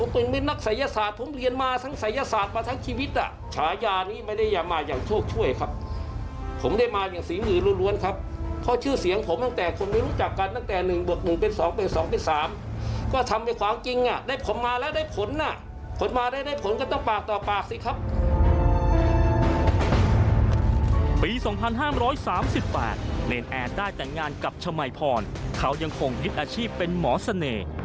ปี๒๕๓๘เนรนแอร์ได้แต่งงานกับชมัยพรเขายังคงยึดอาชีพเป็นหมอเสน่ห์